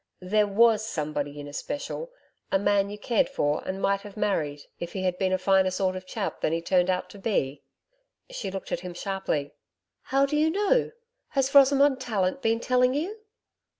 There WAS somebody in especial a man you cared for and might have married if he had been a finer sort of chap than he turned out to be?' She looked at him sharply. 'How do you know? Has Rosamond Tallant been telling you?'